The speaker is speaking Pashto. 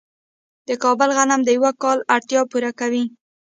د کابل غنم د یو کال اړتیا پوره کوي.